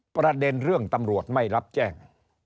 ประเด็นเรื่องตำรวจไม่รับแจ้ง